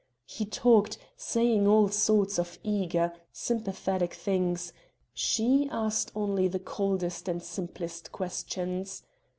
He talked saying all sorts of eager, sympathetic things she asked only the coldest and simplest questions.